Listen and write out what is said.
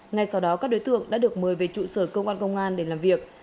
ngay sau đó các đối tượng đã được mời về trụ sở công an công an để làm việc